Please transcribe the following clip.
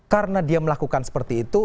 karena dia melakukan seperti itu